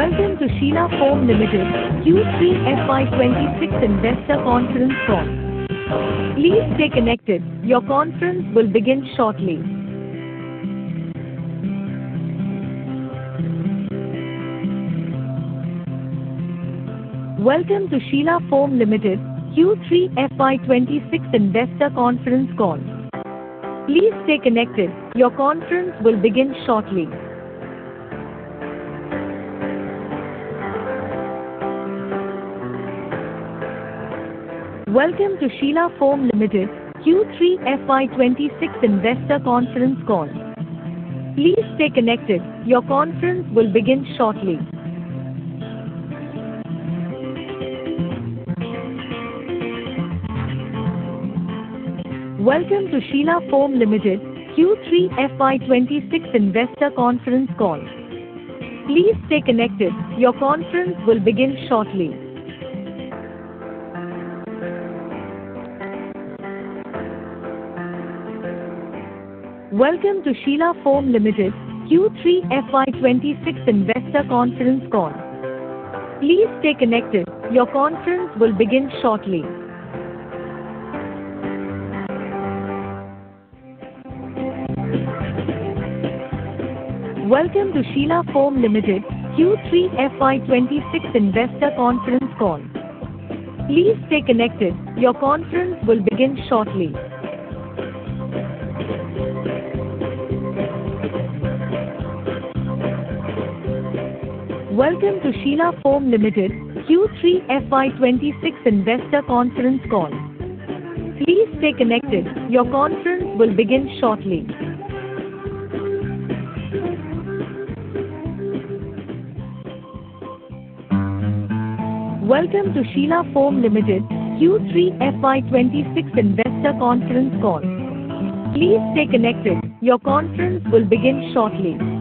Welcome to Sheela Foam Limited Q3 FY 2026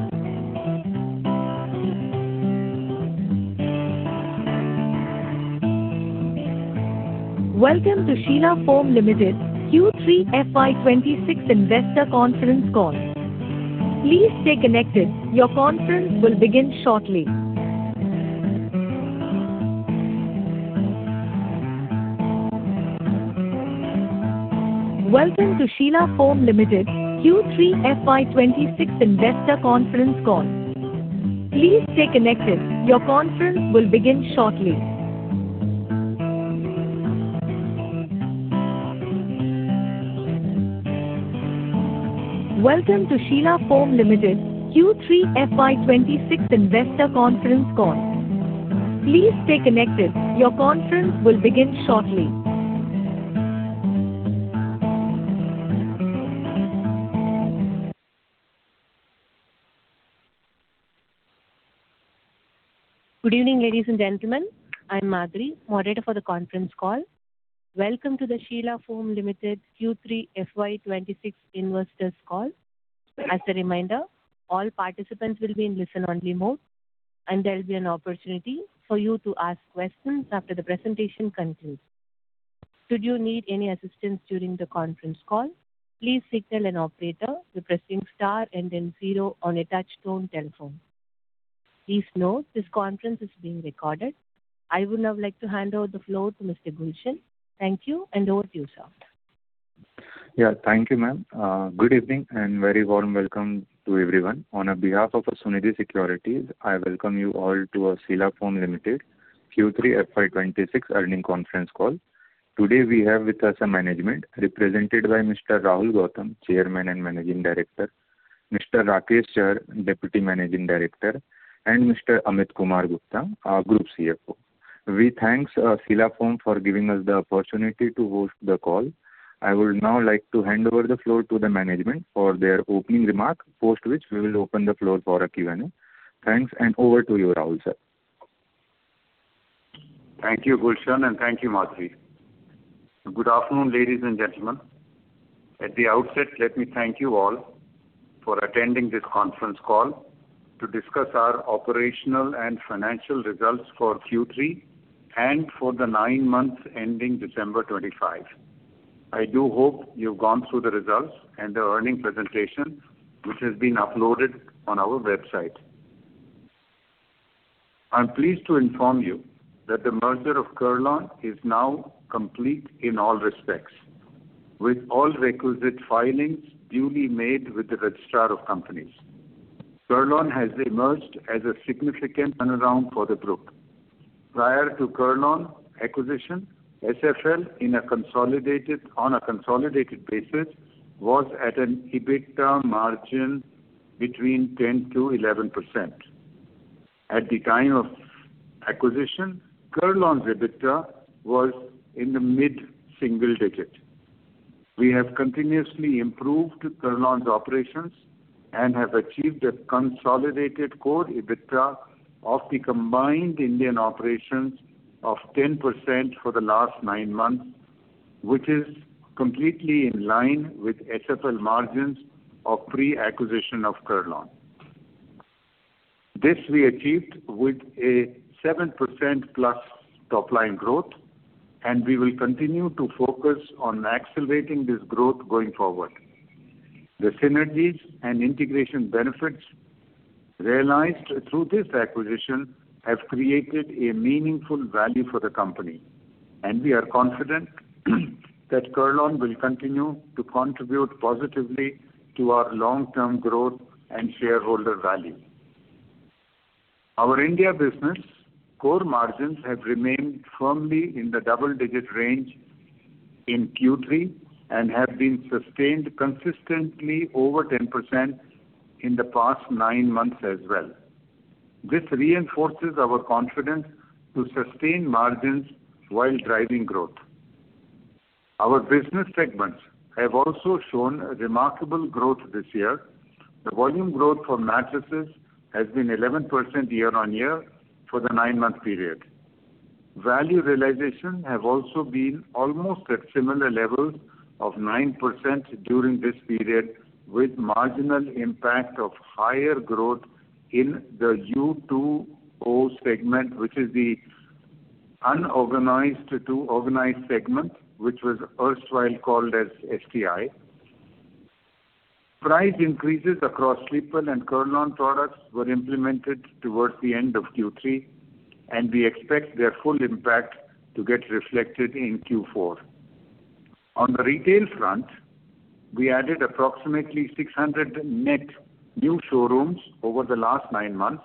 Investor Conference Call. Please stay connected, your conference will begin shortly. Good evening, ladies and gentlemen, I'm Madhuri, moderator for the conference call. Welcome to the Sheela Foam Limited Q3 FY 2026 Investors Call. As a reminder, all participants will be in listen-only mode, and there'll be an opportunity for you to ask questions after the presentation concludes. Should you need any assistance during the conference call, please signal an operator by pressing star and then zero on a touchtone telephone. Please note, this conference is being recorded. I would now like to hand over the floor to Mr. Gulshan. Thank you, and over to you, sir. Yeah. Thank you, ma'am. Good evening, and very warm welcome to everyone. On behalf of Sunidhi Securities, I welcome you all to our Sheela Foam Limited Q3 FY 2026 Earnings Conference Call. Today, we have with us a management represented by Mr. Rahul Gautam, Chairman and Managing Director, Mr. Rakesh Chahar, Deputy Managing Director, and Mr. Amit Kumar Gupta, our Group CFO. We thanks Sheela Foam for giving us the opportunity to host the call. I would now like to hand over the floor to the management for their opening remark, post which we will open the floor for a Q&A. Thanks, and over to you, Rahul Sir. Thank you, Gulshan, and thank you, Madhuri. Good afternoon, ladies and gentlemen. At the outset, let me thank you all for attending this conference call to discuss our operational and financial results for Q3 and for the nine months ending December 25. I do hope you've gone through the results and the earnings presentation, which has been uploaded on our website. I'm pleased to inform you that the merger of Kurlon is now complete in all respects, with all requisite filings duly made with the Registrar of Companies. Kurlon has emerged as a significant turnaround for the group. Prior to Kurlon acquisition, SFL, on a consolidated basis, was at an EBITDA margin between 10%-11%. At the time of acquisition, Kurlon's EBITDA was in the mid-single digit. We have continuously improved Kurlon's operations and have achieved a consolidated core EBITDA of the combined Indian operations of 10% for the last 9 months, which is completely in line with SFL margins of pre-acquisition of Kurlon. This we achieved with a 7%+ top-line growth, and we will continue to focus on accelerating this growth going forward. The synergies and integration benefits realized through this acquisition have created a meaningful value for the company, and we are confident that Kurlon will continue to contribute positively to our long-term growth and shareholder value. Our India business core margins have remained firmly in the double-digit range in Q3, and have been sustained consistently over 10% in the past 9 months as well. This reinforces our confidence to sustain margins while driving growth. Our business segments have also shown a remarkable growth this year. The volume growth for mattresses has been 11% year-on-year for the 9-month period. Value realization have also been almost at similar levels of 9% during this period, with marginal impact of higher growth in the U2O segment, which is the unorganized to organized segment, which was erstwhile called as FTI. Price increases across Sleepwell and Kurl-on products were implemented towards the end of Q3, and we expect their full impact to get reflected in Q4. On the retail front, we added approximately 600 net new showrooms over the last 9 months,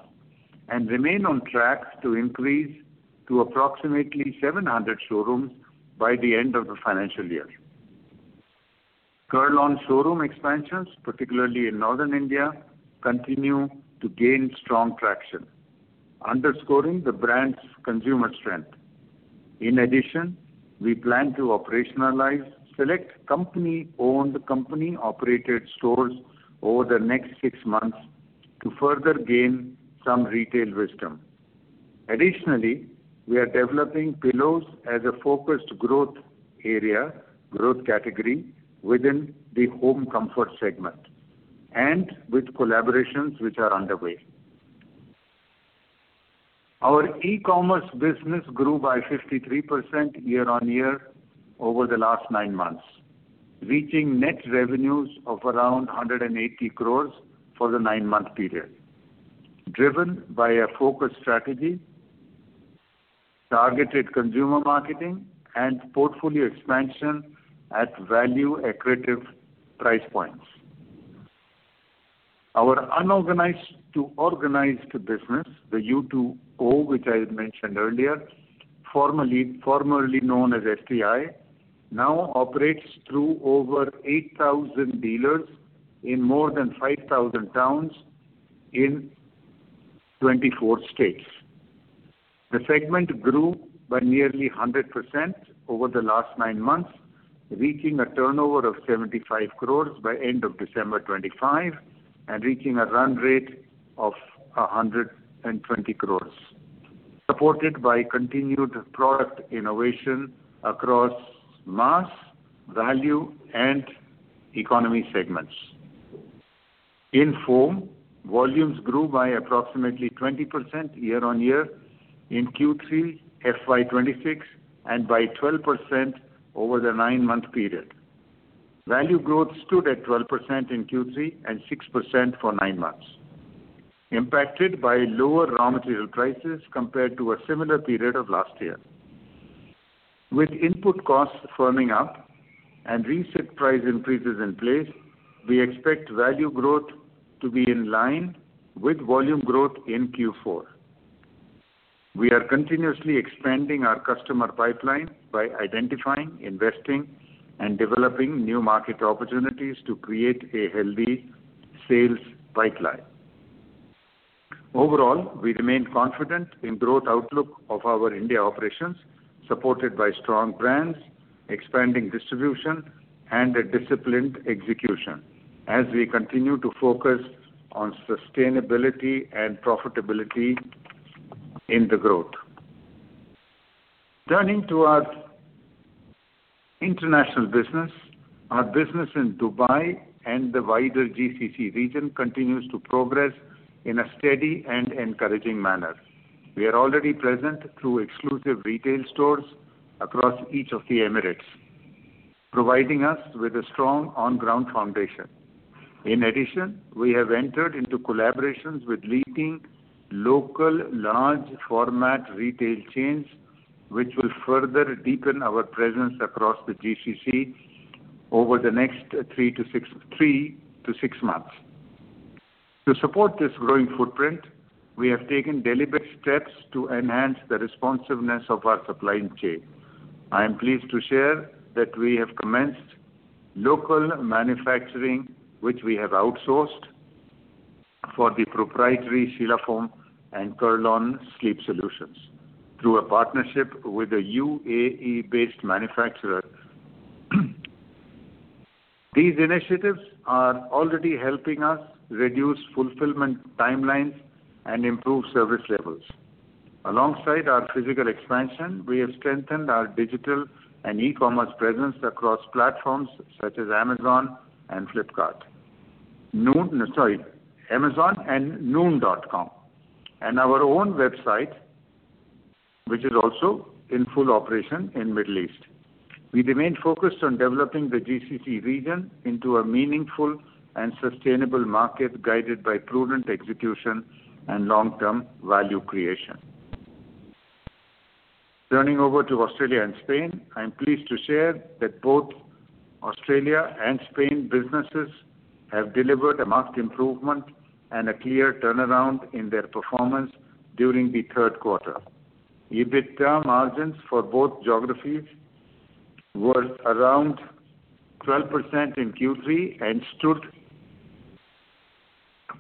and remain on track to increase to approximately 700 showrooms by the end of the financial year. Kurl-on showroom expansions, particularly in Northern India, continue to gain strong traction, underscoring the brand's consumer strength. In addition, we plan to operationalize select company-owned, company-operated stores over the next 6 months to further gain some retail wisdom. Additionally, we are developing pillows as a focused growth area, growth category, within the home comfort segment, and with collaborations which are underway. Our e-commerce business grew by 53% year-on-year over the last 9 months, reaching net revenues of around 180 crores for the nine-month period, driven by a focused strategy, targeted consumer marketing, and portfolio expansion at value-accretive price points. Our unorganized to organized business, the U2O, which I had mentioned earlier, formerly known as FTI, now operates through over 8,000 dealers in more than 5,000 towns in 24 states. The segment grew by nearly 100% over the last 9 months, reaching a turnover of 75 crores by end of December 2025, and reaching a run rate of 120 crores, supported by continued product innovation across mass, value, and economy segments. In foam, volumes grew by approximately 20% year-on-year in Q3, FY 2026, and by 12% over the 9-month period. Value growth stood at 12% in Q3 and 6% for 9 months, impacted by lower raw material prices compared to a similar period of last year. With input costs firming up and reset price increases in place, we expect value growth to be in line with volume growth in Q4. We are continuously expanding our customer pipeline by identifying, investing, and developing new market opportunities to create a healthy sales pipeline. Overall, we remain confident in growth outlook of our India operations, supported by strong brands, expanding distribution, and a disciplined execution, as we continue to focus on sustainability and profitability in the growth. Turning to our international business, our business in Dubai and the wider GCC region continues to progress in a steady and encouraging manner. We are already present through exclusive retail stores across each of the Emirates, providing us with a strong on-ground foundation. In addition, we have entered into collaborations with leading local large format retail chains, which will further deepen our presence across the GCC over the next 3-6, 3-6 months. To support this growing footprint, we have taken deliberate steps to enhance the responsiveness of our supply chain. I am pleased to share that we have commenced local manufacturing, which we have outsourced for the proprietary Sheela Foam and Kurl-on sleep solutions through a partnership with a UAE-based manufacturer. These initiatives are already helping us reduce fulfillment timelines and improve service levels. Alongside our physical expansion, we have strengthened our digital and e-commerce presence across platforms such as Amazon and Flipkart. Noon... Sorry, Amazon and Noon.com, and our own website-... which is also in full operation in Middle East. We remain focused on developing the GCC region into a meaningful and sustainable market, guided by prudent execution and long-term value creation. Turning over to Australia and Spain, I am pleased to share that both Australia and Spain businesses have delivered a marked improvement and a clear turnaround in their performance during the Q3. EBITDA margins for both geographies were around 12% in Q3 and stood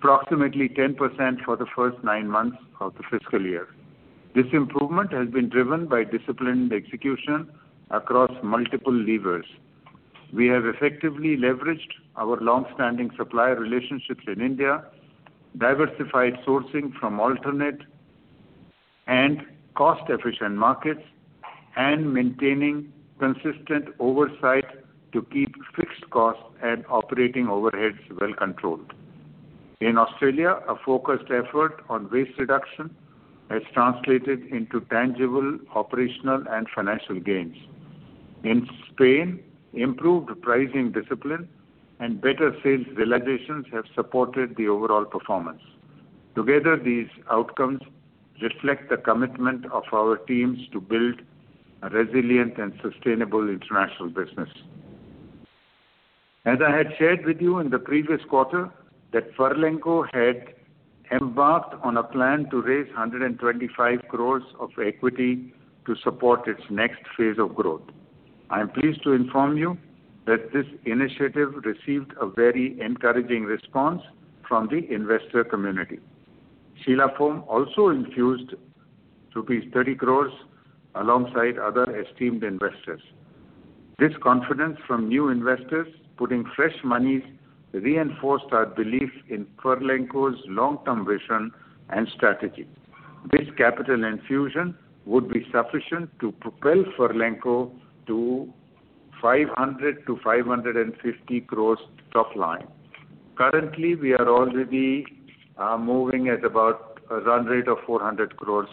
approximately 10% for the first nine months of the fiscal year. This improvement has been driven by disciplined execution across multiple levers. We have effectively leveraged our long-standing supplier relationships in India, diversified sourcing from alternate and cost-efficient markets, and maintaining consistent oversight to keep fixed costs and operating overheads well controlled. In Australia, a focused effort on waste reduction has translated into tangible operational and financial gains. In Spain, improved pricing discipline and better sales realizations have supported the overall performance. Together, these outcomes reflect the commitment of our teams to build a resilient and sustainable international business. As I had shared with you in the previous quarter, that Furlenco had embarked on a plan to raise 125 crores of equity to support its next phase of growth. I am pleased to inform you that this initiative received a very encouraging response from the investor community. Sheela Foam also infused rupees 30 crores alongside other esteemed investors. This confidence from new investors putting fresh monies reinforced our belief in Furlenco's long-term vision and strategy. This capital infusion would be sufficient to propel Furlenco to 500-550 crores top line. Currently, we are already moving at about a run rate of 400 crores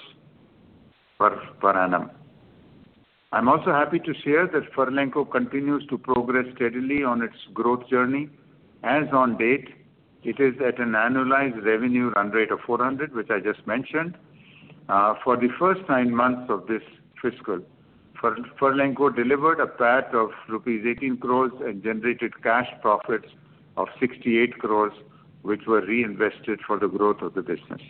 per annum. I'm also happy to share that Furlenco continues to progress steadily on its growth journey. As on date, it is at an annualized revenue run rate of 400, which I just mentioned. For the first nine months of this fiscal, Furlenco delivered a PAT of rupees 18 crore and generated cash profits of 68 crore, which were reinvested for the growth of the business.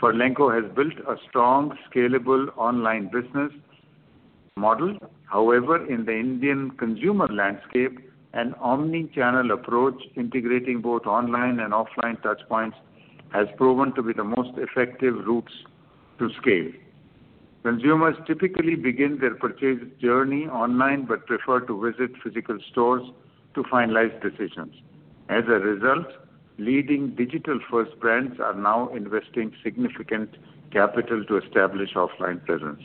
Furlenco has built a strong, scalable online business model. However, in the Indian consumer landscape, an omni-channel approach, integrating both online and offline touchpoints, has proven to be the most effective routes to scale. Consumers typically begin their purchase journey online, but prefer to visit physical stores to finalize decisions. As a result, leading digital-first brands are now investing significant capital to establish offline presence.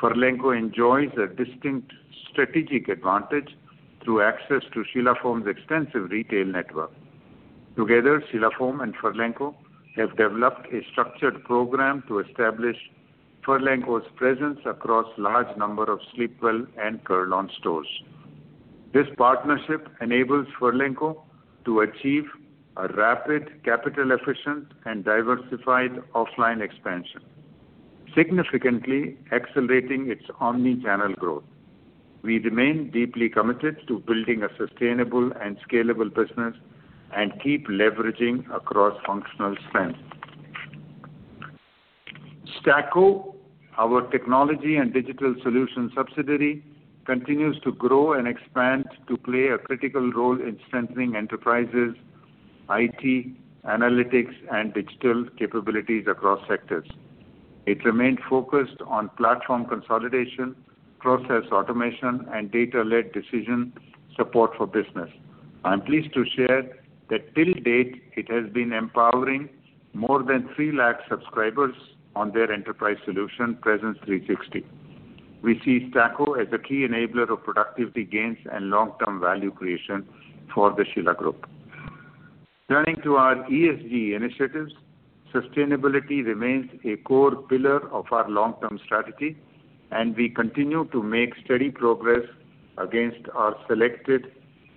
Furlenco enjoys a distinct strategic advantage through access to Sheela Foam's extensive retail network. Together, Sheela Foam and Furlenco have developed a structured program to establish Furlenco's presence across large number of Sleepwell and Kurl-on stores. This partnership enables Furlenco to achieve a rapid, capital-efficient, and diversified offline expansion, significantly accelerating its omni-channel growth. We remain deeply committed to building a sustainable and scalable business and keep leveraging across functional strengths. Staqo, our technology and digital solutions subsidiary, continues to grow and expand to play a critical role in strengthening enterprises' IT, analytics, and digital capabilities across sectors. It remained focused on platform consolidation, process automation, and data-led decision support for business. I'm pleased to share that till date, it has been empowering more than 300,000 subscribers on their enterprise solution, Presence 360. We see Staqo as a key enabler of productivity gains and long-term value creation for the Sheela Group. Turning to our ESG initiatives, sustainability remains a core pillar of our long-term strategy, and we continue to make steady progress against our selected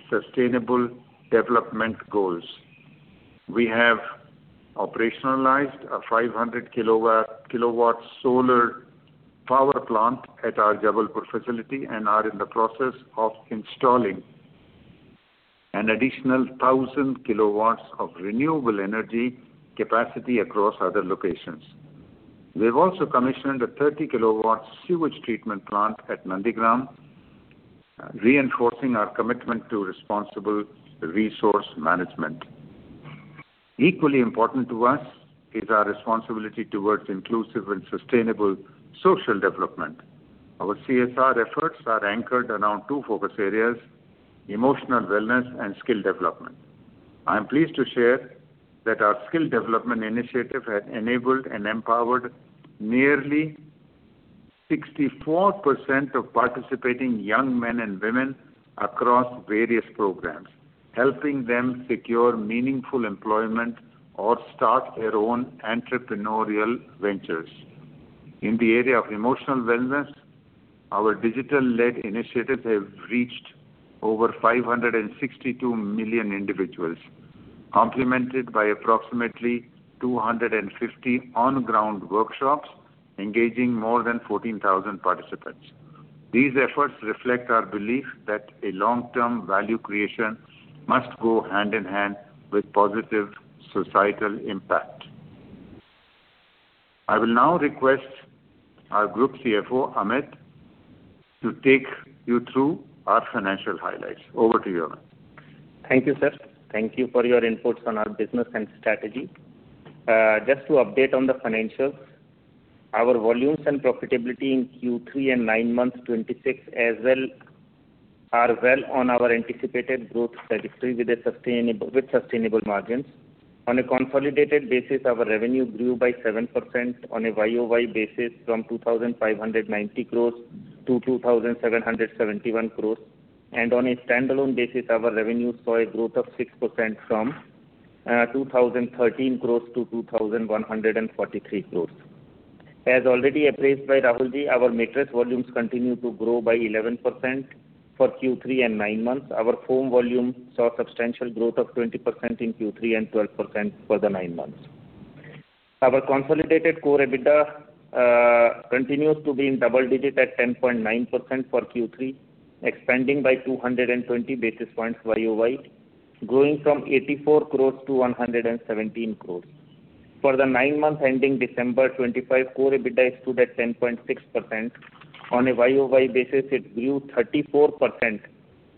sustainable development goals. We have operationalized a 500-kW solar power plant at our Jabalpur facility, and are in the process of installing an additional 1,000 kW of renewable energy capacity across other locations. We've also commissioned a 30-kW sewage treatment plant at Nandigram, reinforcing our commitment to responsible resource management. Equally important to us is our responsibility towards inclusive and sustainable social development. Our CSR efforts are anchored around two focus areas: emotional wellness and skill development. I am pleased to share that our skill development initiative has enabled and empowered nearly 64% of participating young men and women across various programs, helping them secure meaningful employment or start their own entrepreneurial ventures. In the area of emotional wellness, our digital-led initiatives have reached over 562 million individuals, complemented by approximately 250 on-ground workshops, engaging more than 14,000 participants. These efforts reflect our belief that a long-term value creation must go hand in hand with positive societal impact. I will now request our Group CFO, Amit, to take you through our financial highlights. Over to you, Amit. Thank you, sir. Thank you for your inputs on our business and strategy. Just to update on the financials, our volumes and profitability in Q3 and 9 months 2026 as well are well on our anticipated growth trajectory with a sustainable, with sustainable margins. On a consolidated basis, our revenue grew by 7% on a YOY basis from 2,590 crores to 2,771 crores, and on a standalone basis, our revenue saw a growth of 6% from 2,013 crores to 2,143 crores. As already appraised by Rahulji, our mattress volumes continue to grow by 11% for Q3 and 9 months. Our foam volume saw substantial growth of 20% in Q3 and 12% for the 9 months. Our consolidated core EBITDA continues to be in double digits at 10.9% for Q3, expanding by 220 basis points YOY, growing from 84 crore to 117 crore. For the nine months ending December 2025, core EBITDA stood at 10.6%. On a YOY basis, it grew 34%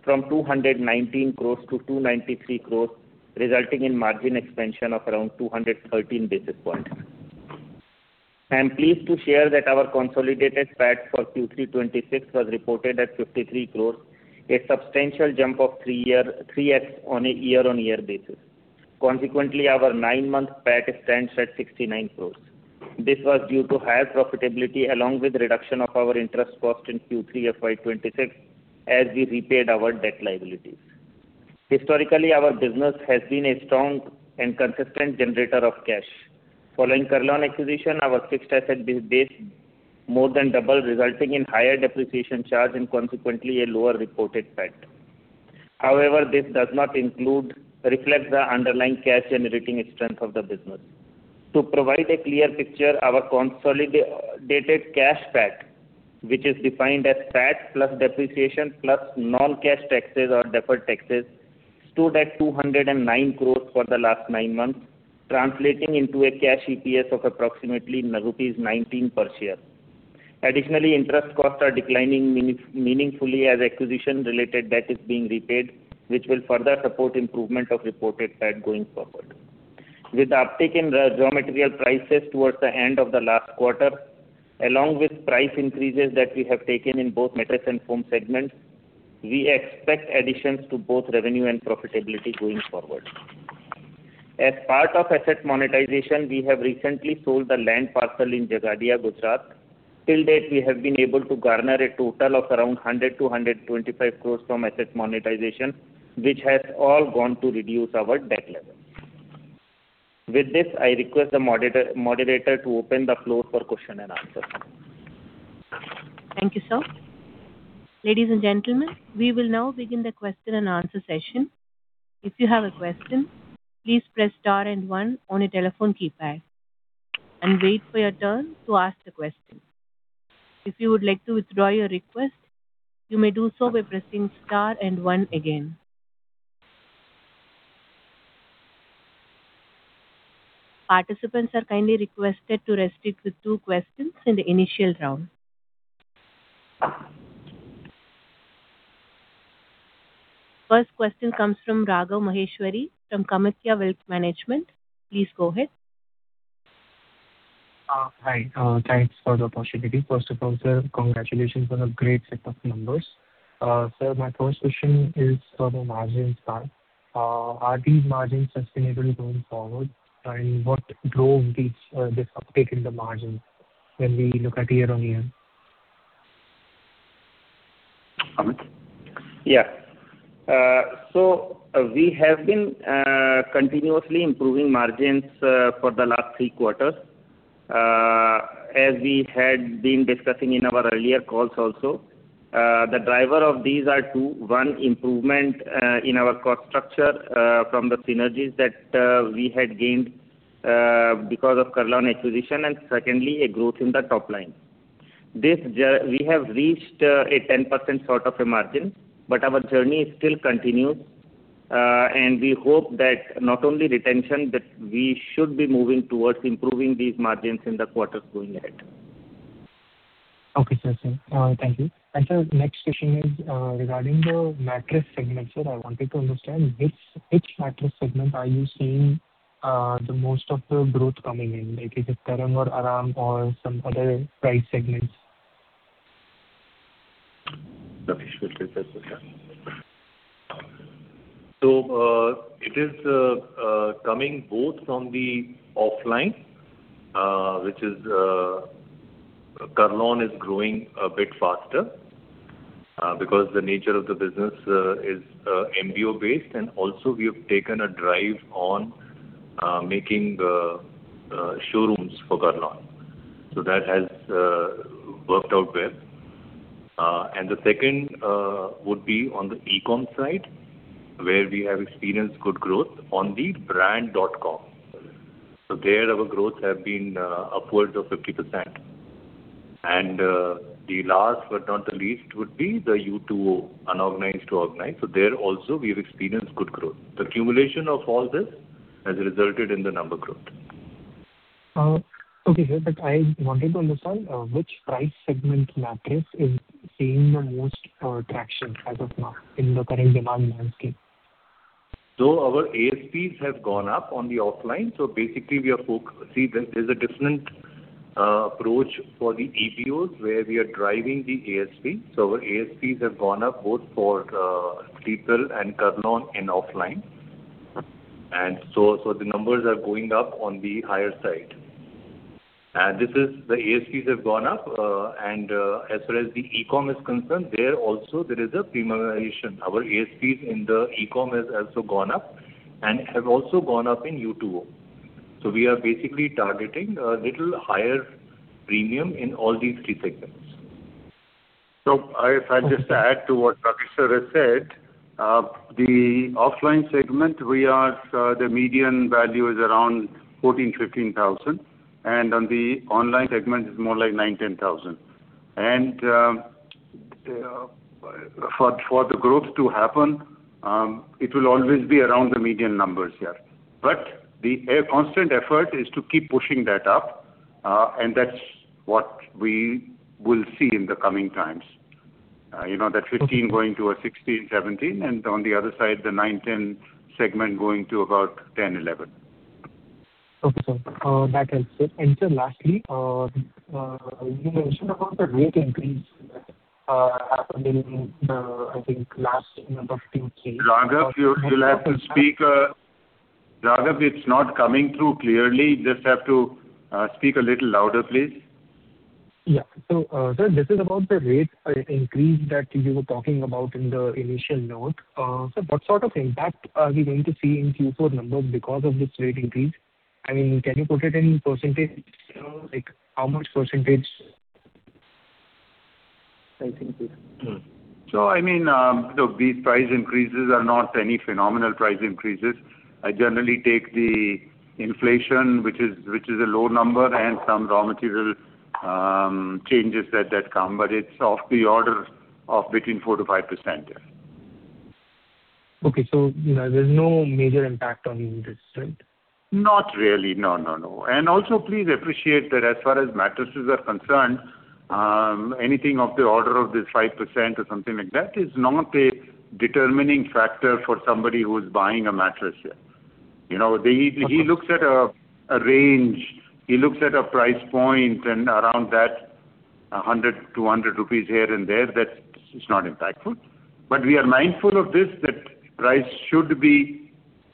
from 219 crore to 293 crore, resulting in margin expansion of around 213 basis points. I'm pleased to share that our consolidated PAT for Q3 2026 was reported at 53 crore, a substantial jump of 3-year 3x on a year-on-year basis. Consequently, our nine-month PAT stands at 69 crore. This was due to higher profitability along with reduction of our interest cost in Q3 of FY 2026, as we repaid our debt liabilities. Historically, our business has been a strong and consistent generator of cash. Following Kurl-on acquisition, our fixed asset base more than doubled, resulting in higher depreciation charge and consequently a lower reported PAT. However, this does not reflect the underlying cash generating strength of the business. To provide a clear picture, our consolidated cash PAT, which is defined as PAT plus depreciation, plus non-cash taxes or deferred taxes, stood at 209 crore for the last nine months, translating into a cash EPS of approximately rupees 19 per share. Additionally, interest costs are declining meaningfully as acquisition-related debt is being repaid, which will further support improvement of reported PAT going forward. With the uptick in the raw material prices towards the end of the last quarter, along with price increases that we have taken in both mattress and foam segments, we expect additions to both revenue and profitability going forward. As part of asset monetization, we have recently sold the land parcel in Jhagadia, Gujarat. To date, we have been able to garner a total of around 100 crore-125 crore from asset monetization, which has all gone to reduce our debt level. With this, I request the moderator to open the floor for question and answer. Thank you, sir. Ladies and gentlemen, we will now begin the question-and-answer session. If you have a question, please press star and one on your telephone keypad and wait for your turn to ask the question. If you would like to withdraw your request, you may do so by pressing star and one again. Participants are kindly requested to restrict to two questions in the initial round. First question comes from Raghav Maheshwari, from Kamatya Wealth Management. Please go ahead. Hi, thanks for the opportunity. First of all, sir, congratulations on a great set of numbers. Sir, my first question is on the margins side. Are these margins sustainable going forward, and what drove this uptick in the margins when we look at year-on-year? Amit? Yeah. So, we have been continuously improving margins for the last three quarters. As we had been discussing in our earlier calls also, the driver of these are two, one, improvement in our cost structure from the synergies that we had gained because of Kurl-on acquisition, and secondly, a growth in the top line. This, we have reached a 10% sort of a margin, but our journey still continues. And we hope that not only retention, but we should be moving towards improving these margins in the quarters going ahead. Okay, sir. Sir. Thank you. Sir, next question is regarding the mattress segment, sir. I wanted to understand which mattress segment are you seeing the most of the growth coming in? Like, is it Kurl-on or Aaram or some other price segments? So, it is coming both from the offline, which is, Kurl-on is growing a bit faster, because the nature of the business is MBO based, and also we have taken a drive on making showrooms for Kurl-on. So that has worked out well. And the second would be on the e-com side, where we have experienced good growth on the brand dot com. So there our growth have been upwards of 50%. And the last but not the least would be the U2O, unorganized to organized. So there also, we have experienced good growth. The accumulation of all this has resulted in the number growth. Okay, sir, but I wanted to understand, which price segment mattress is seeing the most traction as of now in the current demand landscape? So our ASPs have gone up on the offline. So basically, we are – see, there, there’s a different approach for the ASPs, where we are driving the ASP. So our ASPs have gone up both for Sleepwell and Kurl-on in offline. And so, so the numbers are going up on the higher side. And this is the ASPs have gone up, and, as far as the e-com is concerned, there also there is a premiumization. Our ASPs in the e-com has also gone up and have also gone up in U2O. So we are basically targeting a little higher premium in all these three segments. So if I just add to what Rakesh sir has said, the offline segment, the median value is around 14-15 thousand, and on the online segment, it's more like INR nine-10 thousand. For the growth to happen, it will always be around the median numbers, yeah. But the constant effort is to keep pushing that up, and that's what we will see in the coming times. You know, that fifteen- Okay. going to 16-17, and on the other side, the 9-10 segment going to about 10-11. Okay, sir. That helps it. And sir, lastly, you mentioned about the rate increase happening in the, I think, last, you know, couple of three- Raghav, you, you'll have to speak. Raghav, it's not coming through clearly. Just have to speak a little louder, please. Yeah. So, sir, this is about the rate increase that you were talking about in the initial note. So what sort of impact are we going to see in Q4 numbers because of this rate increase? I mean, can you put it in percentage terms, like how much percentage pricing, please? So I mean, look, these price increases are not any phenomenal price increases. I generally take the inflation, which is a low number, and some raw material changes that come, but it's of the order of between 4%-5%. Okay. You know, there's no major impact on this, right? Not really. No, no, no. And also, please appreciate that as far as mattresses are concerned, anything of the order of this 5% or something like that is not a determining factor for somebody who is buying a mattress. You know, the- Okay. He looks at a range, he looks at a price point, and around that, 100-200 rupees here and there, that is not impactful. But we are mindful of this, that price should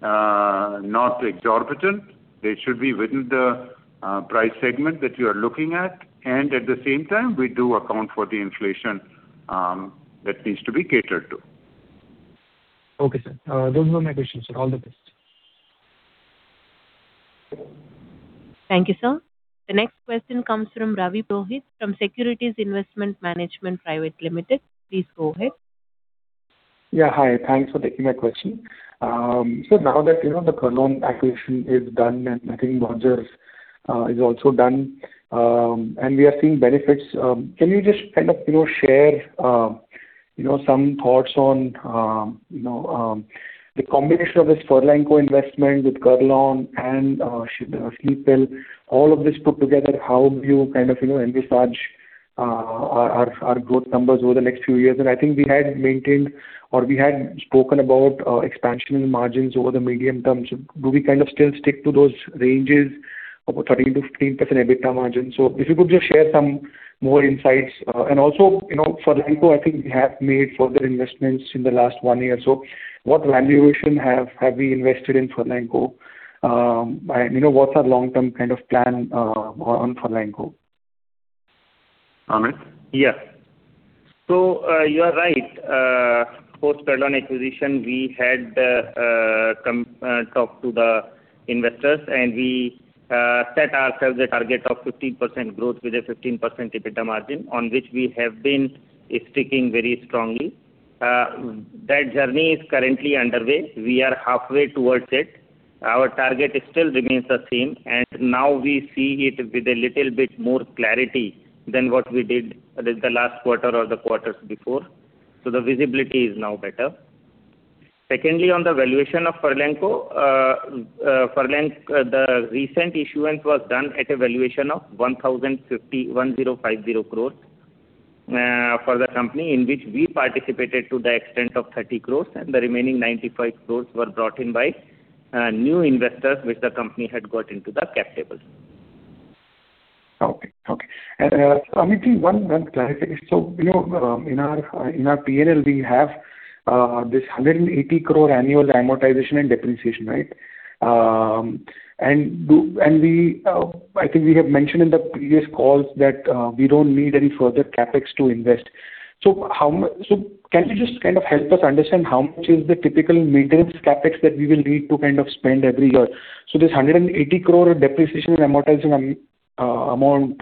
be not exorbitant. They should be within the price segment that you are looking at. And at the same time, we do account for the inflation that needs to be catered to. Okay, sir. Those were my questions, sir. All the best. Thank you, sir. The next question comes from Ravi Purohit, from Securities Investment Management Private Limited. Please go ahead. Yeah, hi. Thanks for taking my question. So now that, you know, the Kurl-on acquisition is done, and I think Merger is also done, and we are seeing benefits, can you just kind of, you know, share, you know, some thoughts on, you know, the combination of this Furlenco investment with Kurl-on and, Sleepwell, all of this put together, how do you kind of, you know, envisage, our, our growth numbers over the next few years? And I think we had maintained or we had spoken about expansion in margins over the medium term. So do we kind of still stick to those ranges of 13%-15% EBITDA margins? So if you could just share some more insights. And also, you know, Furlenco, I think we have made further investments in the last one year. What valuation have we invested in Furlenco? And you know, what's our long-term kind of plan on Furlenco? Amit? Yes. So, you are right. Post Kurl-on acquisition, we had come talk to the investors, and we set ourselves a target of 15% growth with a 15% EBITDA margin, on which we have been sticking very strongly. That journey is currently underway. We are halfway towards it. Our target still remains the same, and now we see it with a little bit more clarity than what we did with the last quarter or the quarters before. So the visibility is now better. Secondly, on the valuation of Furlenco, the recent issuance was done at a valuation of 1,050 crores for the company, in which we participated to the extent of 30 crores, and the remaining 95 crores were brought in by new investors, which the company had got into the cap table. Okay, okay. And, Amit, one clarification. So, you know, in our, in our P&L, we have, this 180 crore annual amortization and depreciation, right? And we, I think we have mentioned in the previous calls that, we don't need any further CapEx to invest. So how so can you just kind of help us understand how much is the typical maintenance CapEx that we will need to kind of spend every year? So this 180 crore depreciation and amortization amount,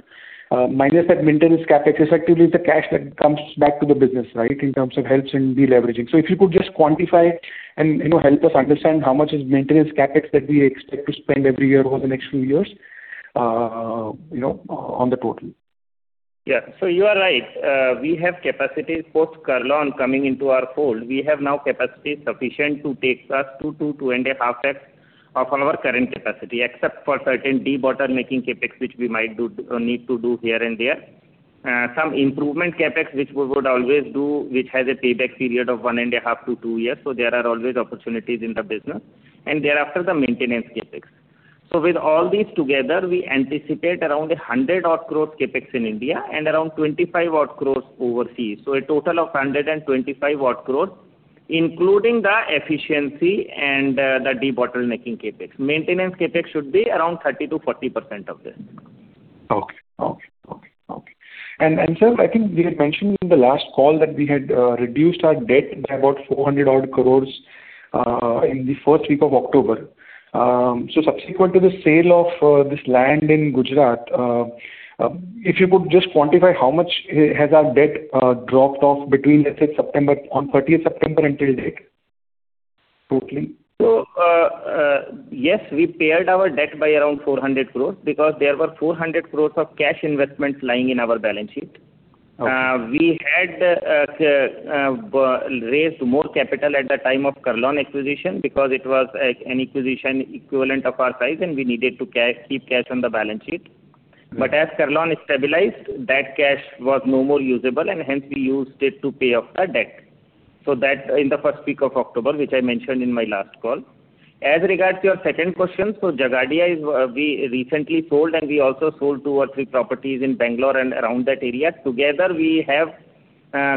minus that maintenance CapEx effectively is the cash that comes back to the business, right, in terms of helps in deleveraging. If you could just quantify and, you know, help us understand how much is maintenance CapEx that we expect to spend every year over the next few years, you know, on the total. Yeah. So you are right. We have capacity, post Kurlon coming into our fold, we have now capacity sufficient to take us to 2-2.5 times of our current capacity, except for certain debottlenecking CapEx, which we might do, need to do here and there. Some improvement CapEx, which we would always do, which has a payback period of 1.5-2 years, so there are always opportunities in the business, and thereafter, the maintenance CapEx. So with all these together, we anticipate around 100-odd crores CapEx in India and around 25-odd crores overseas, so a total of 125-odd crores, including the efficiency and, the debottlenecking CapEx. Maintenance CapEx should be around 30%-40% of this. Okay. Okay, okay, okay. And, and sir, I think we had mentioned in the last call that we had reduced our debt by about 400 crore in the first week of October. So subsequent to the sale of this land in Gujarat, if you could just quantify how much has our debt dropped off between, let's say, September on 30th September until date, totally? So, yes, we paid our debt by around 400 crore because there were 400 crore of cash investments lying in our balance sheet. Okay. We had raised more capital at the time of Kurl-on acquisition because it was an acquisition equivalent of our size, and we needed to keep cash on the balance sheet. Mm-hmm. But as Kurl-on stabilized, that cash was no more usable, and hence we used it to pay off our debt. So that in the first week of October, which I mentioned in my last call. As regards to your second question, so Jhagadia is, we recently sold, and we also sold two or three properties in Bangalore and around that area. Together, we have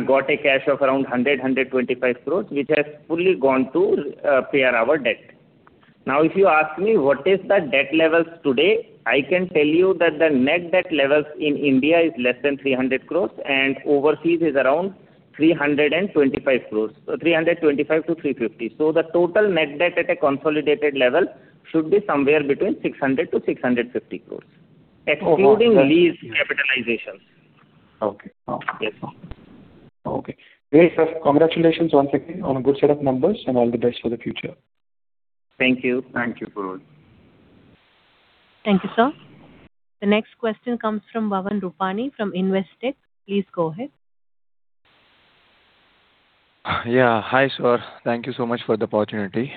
got a cash of around 100-125 crore INR, which has fully gone to pay our debt. Now, if you ask me what is the debt levels today, I can tell you that the net debt levels in India is less than 300 crore, and overseas is around 325 crore. So 325 crore-350 crore. The total net debt at a consolidated level should be somewhere between 600 crore-650 crore, including lease capitalizations. Okay. Oh, Yes. Okay. Great, sir. Congratulations once again on a good set of numbers, and all the best for the future. Thank you. Thank you, Purohit. Thank you, sir. The next question comes from Bhavin Rupani from Investec. Please go ahead. Yeah. Hi, sir. Thank you so much for the opportunity.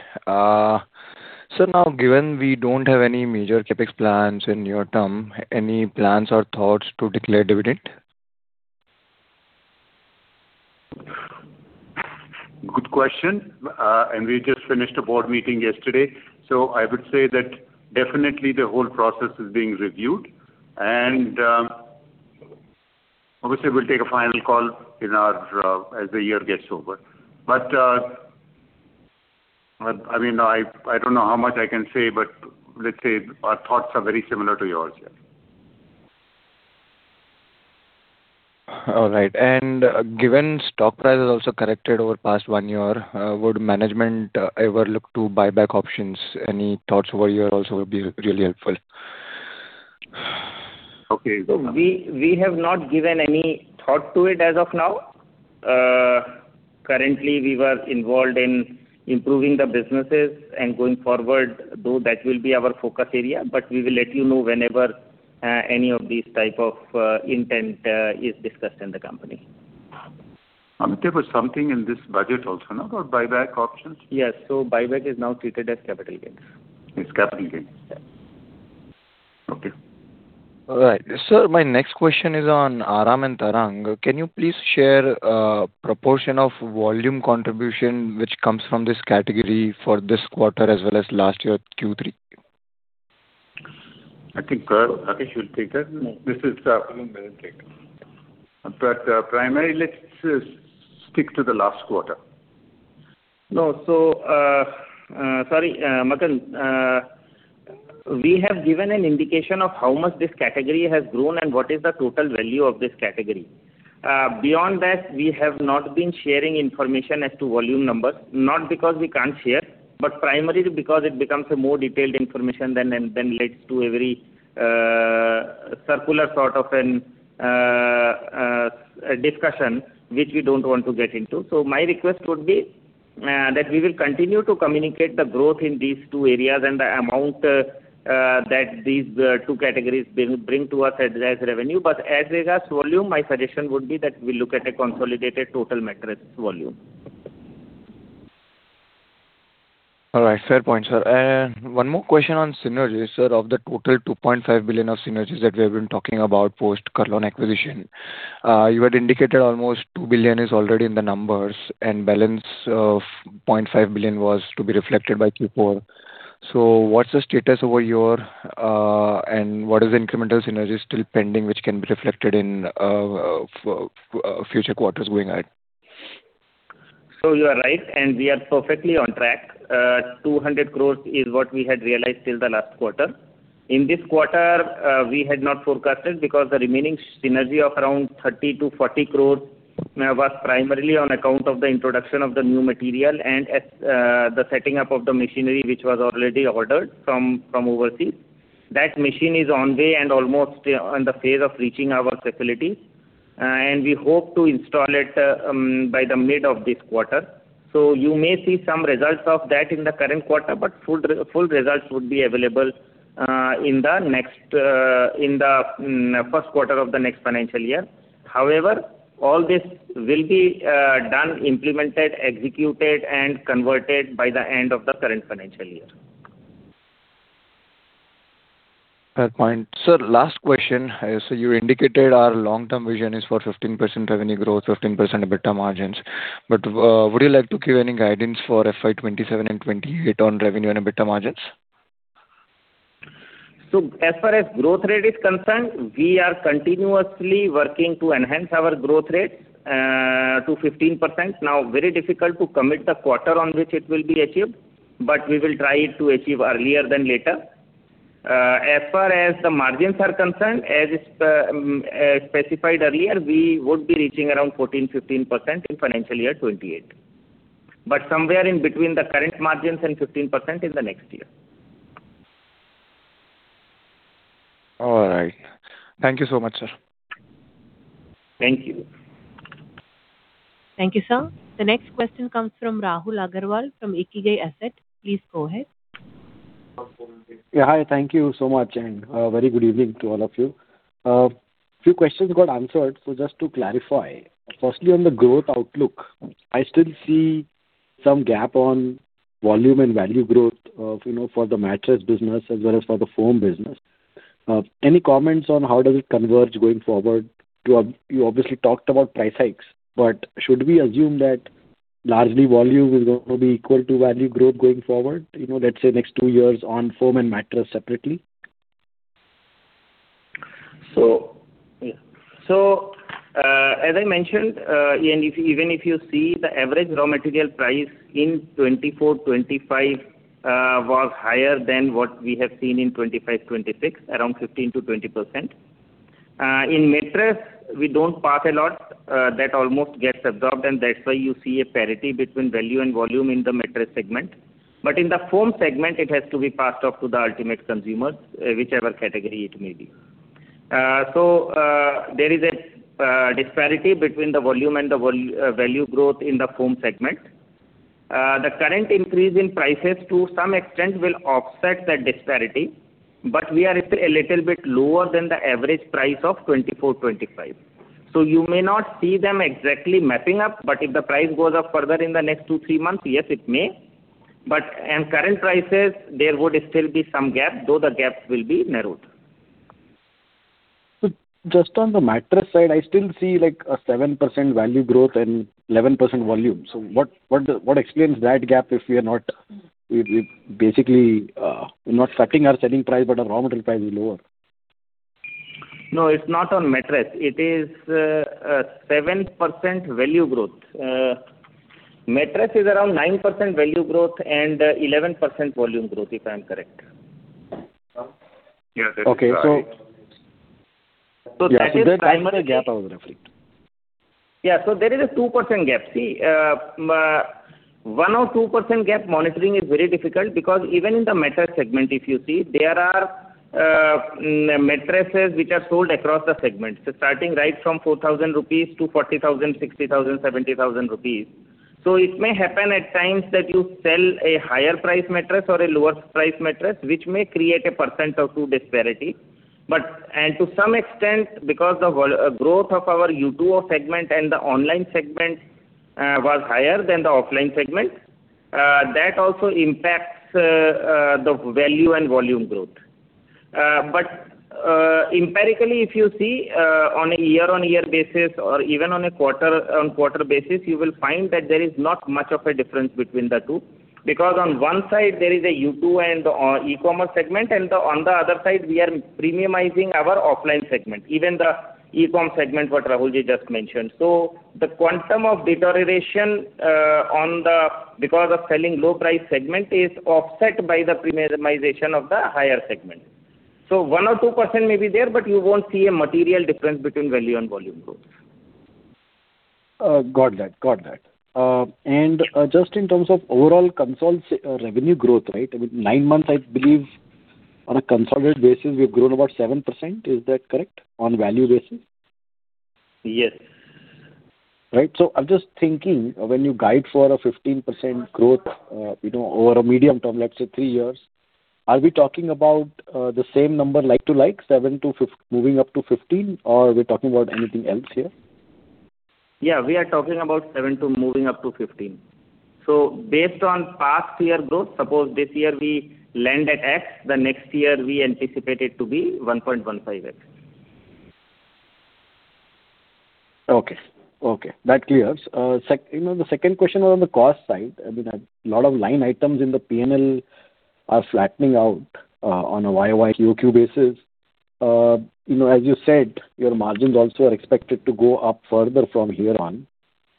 So now, given we don't have any major CapEx plans in near term, any plans or thoughts to declare dividend? Good question. And we just finished a board meeting yesterday, so I would say that definitely the whole process is being reviewed, and obviously, we'll take a final call in our, as the year gets over. But I mean I don't know how much I can say, but let's say our thoughts are very similar to yours, yeah. All right. And given stock price has also corrected over past one year, would management ever look to buyback options? Any thoughts over here also would be really helpful. Okay. We have not given any thought to it as of now. Currently, we were involved in improving the businesses and going forward, though, that will be our focus area. We will let you know whenever any of these type of intent is discussed in the company. Amit, there was something in this budget also, no, about buyback options? Yes. So buyback is now treated as capital gains. It's capital gains. Yeah. Okay. All right. Sir, my next question is on Aaram and Tarang. Can you please share, proportion of volume contribution which comes from this category for this quarter as well as last year, Q3? I think, Rakesh will take that. No. This is... Rakesh will take. Primarily, let's stick to the last quarter. No, so, sorry, Bhavin, we have given an indication of how much this category has grown and what is the total value of this category. Beyond that, we have not been sharing information as to volume numbers, not because we can't share, but primarily because it becomes a more detailed information than leads to a very circular sort of a discussion, which we don't want to get into. So my request would be that we will continue to communicate the growth in these two areas and the amount that these two categories bring to us as revenue. But as regards volume, my suggestion would be that we look at a consolidated total mattress volume. All right. Fair point, sir. One more question on synergies, sir. Of the total 2.5 billion of synergies that we have been talking about post Kurlon acquisition. You had indicated almost 2 billion is already in the numbers, and balance of 0.5 billion was to be reflected by Q4. So what's the status over your, and what is the incremental synergy still pending, which can be reflected in, future quarters going ahead? So you are right, and we are perfectly on track. 200 crore is what we had realized till the last quarter. In this quarter, we had not forecasted, because the remaining synergy of around 30 crore-40 crore was primarily on account of the introduction of the new material and the setting up of the machinery, which was already ordered from overseas. That machine is on way and almost on the phase of reaching our facility. We hope to install it by the mid of this quarter. So you may see some results of that in the current quarter, but full results would be available in the Q1 of the next financial year. However, all this will be done, implemented, executed, and converted by the end of the current financial year. Fair point. Sir, last question. So you indicated our long-term vision is for 15% revenue growth, 15% EBITDA margins, but, would you like to give any guidance for FY 2027 and 2028 on revenue and EBITDA margins? So as far as growth rate is concerned, we are continuously working to enhance our growth rate to 15%. Now, very difficult to commit the quarter on which it will be achieved, but we will try to achieve earlier than later. As far as the margins are concerned, as specified earlier, we would be reaching around 14%-15% in financial year 2028. But somewhere in between the current margins and 15% is the next year. All right. Thank you so much, sir. Thank you. Thank you, sir. The next question comes from Rahul Agarwal from Edelweiss Asset. Please go ahead. Yeah, hi. Thank you so much, and, very good evening to all of you. Few questions got answered, so just to clarify, firstly, on the growth outlook, I still see some gap on volume and value growth of, you know, for the mattress business as well as for the foam business. Any comments on how does it converge going forward? You obviously talked about price hikes, but should we assume that largely volume is going to be equal to value growth going forward, you know, let's say next two years on foam and mattress separately? Yeah. As I mentioned, and if, even if you see the average raw material price in 2024-25 was higher than what we have seen in 2025-26, around 15%-20%. In mattress, we don't pass a lot, that almost gets absorbed, and that's why you see a parity between value and volume in the mattress segment. But in the foam segment, it has to be passed off to the ultimate consumers, whichever category it may be. So, there is a disparity between the volume and the value growth in the foam segment. The current increase in prices to some extent will offset that disparity, but we are a little bit lower than the average price of 2024-25. So you may not see them exactly mapping up, but if the price goes up further in the next 2, 3 months, yes, it may. But... And current prices, there would still be some gap, though the gap will be narrowed. So just on the mattress side, I still see, like, 7% value growth and 11% volume. So what, what, what explains that gap if we are not- we, we basically, not affecting our selling price, but our raw material price is lower? No, it's not on mattress. It is 7% value growth. Mattress is around 9% value growth and 11% volume growth, if I'm correct. Yeah, that is right. Okay, so- That is primarily- There's still a gap I was referring to. Yeah, so there is a 2% gap. See, one or two percent gap monitoring is very difficult because even in the mattress segment, if you see, there are, mattresses which are sold across the segment. So starting right from 4,000 rupees to 40,000, 60,000, 70,000 rupees. So it may happen at times that you sell a higher price mattress or a lower price mattress, which may create a 1% or 2% disparity. But, and to some extent, because the volume growth of our U2O segment and the online segment was higher than the offline segment, that also impacts the value and volume growth. But, empirically, if you see, on a year-on-year basis or even on a quarter-on-quarter basis, you will find that there is not much of a difference between the two. Because on one side there is a U2 and e-commerce segment, and on the other side, we are premiumizing our offline segment, even the e-com segment, what Rahul just mentioned. So the quantum of deterioration because of selling low price segment is offset by the premiumization of the higher segment. So one or two % may be there, but you won't see a material difference between value and volume growth. Got that. Got that. Just in terms of overall consolidated revenue growth, right? I mean, nine months, I believe, on a consolidated basis, we've grown about 7%. Is that correct, on value basis? Yes. Right. So I'm just thinking, when you guide for a 15% growth, you know, over a medium term, let's say three years, are we talking about the same number, like to like, seven to 15 moving up to 15, or are we talking about anything else here? Yeah, we are talking about 7 to moving up to 15. So based on past year growth, suppose this year we land at X, the next year we anticipate it to be 1.15x. Okay. Okay, that clears. You know, the second question was on the cost side. I mean, a lot of line items in the PNL are flattening out, on a YOY, QOQ basis. You know, as you said, your margins also are expected to go up further from here on,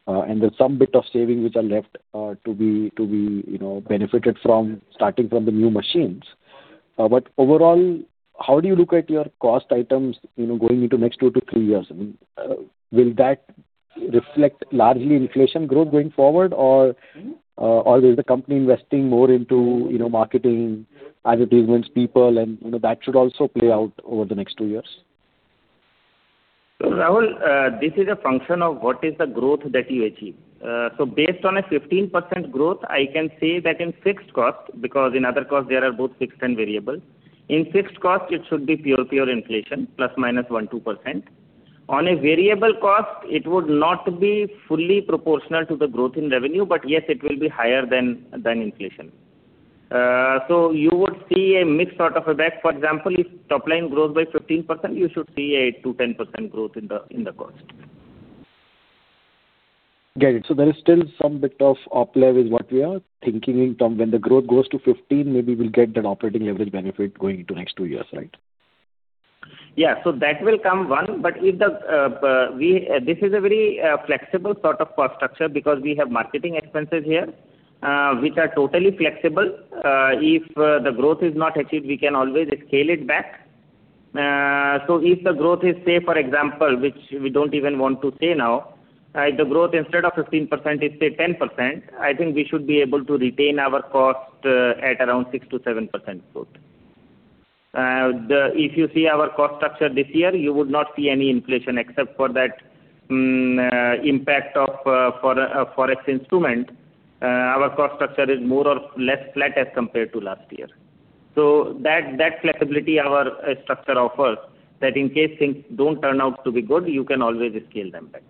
and there's some bit of savings which are left, to be, you know, benefited from, starting from the new machines. But overall, how do you look at your cost items, you know, going into next two to three years? I mean, will that reflect largely inflation growth going forward? Or, always the company investing more into, you know, marketing, as it relates people and, you know, that should also play out over the next two years. So, Rahul, this is a function of what is the growth that you achieve. So based on a 15% growth, I can say that in fixed cost, because in other costs, there are both fixed and variable. In fixed cost, it should be pure, pure inflation, plus minus 1-2%. On a variable cost, it would not be fully proportional to the growth in revenue, but yes, it will be higher than, than inflation. So you would see a mixed sort of effect. For example, if top line grows by 15%, you should see a 2-10% growth in the, in the cost. Got it. So there is still some bit of op level is what we are thinking in term. When the growth goes to 15, maybe we'll get that operating leverage benefit going into next two years, right? Yeah. So that will come, one, but if the, we this is a very, flexible sort of cost structure, because we have marketing expenses here, which are totally flexible. If the growth is not achieved, we can always scale it back. So if the growth is, say, for example, which we don't even want to say now, the growth instead of 15% is, say, 10%, I think we should be able to retain our cost, at around 6%-7% growth. If you see our cost structure this year, you would not see any inflation except for that, impact of, for, forex instrument. Our cost structure is more or less flat as compared to last year. So, that flexibility our structure offers, that in case things don't turn out to be good, you can always scale them back.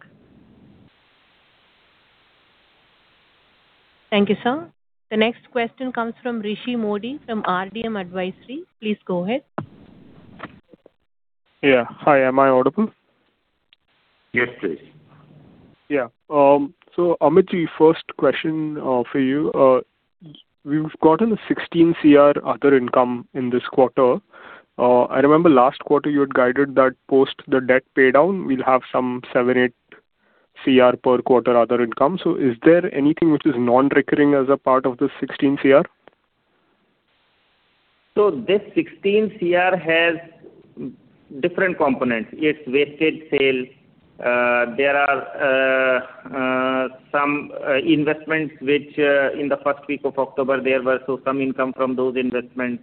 Thank you, sir. The next question comes from Rishi Modi, from RDM Advisory. Please go ahead. Yeah. Hi, am I audible? Yes, please. Yeah. So, Amitji, first question, for you. We've gotten 16 crore other income in this quarter. I remember last quarter you had guided that post the debt paydown, we'll have some 7-8 crore per quarter other income. So is there anything which is non-recurring as a part of the 16 crore? So this 16 crore has different components. It's wasted sales. There are some investments which in the first week of October, there were also some income from those investments.